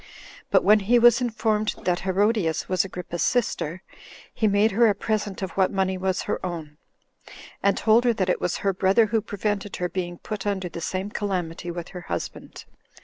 But when he was informed that Herodias was Agrippa's sister, he made her a present of what money was her own, and told her that it was her brother who prevented her being put under the same calamity with her husband.